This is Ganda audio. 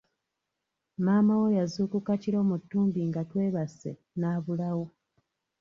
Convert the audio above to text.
Maama wo yazuukuka kiro mu ttumbi nga twebase n'abulawo.